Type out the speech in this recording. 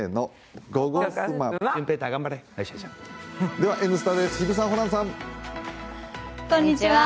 では「Ｎスタ」です、日比さん、ホランさん。